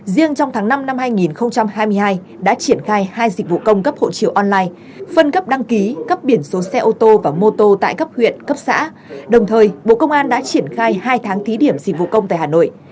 riêng trong tháng năm năm hai nghìn hai mươi hai đã triển khai hai dịch vụ công cấp hộ chiếu online phân cấp đăng ký cấp biển số xe ô tô và mô tô tại cấp huyện cấp xã đồng thời bộ công an đã triển khai hai tháng thí điểm dịch vụ công tại hà nội